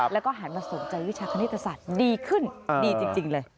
แล้วก็หันมาสนใจวิชาคณิตศาสตร์ดีขึ้นดีจริงเลย